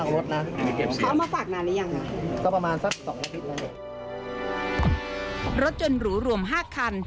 รถยนต์หรูรวม๕คัน